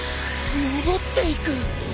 戻っていく！